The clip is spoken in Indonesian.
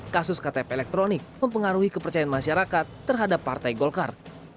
kasus ktp elektronik mempengaruhi kepercayaan masyarakat terhadap partai golkar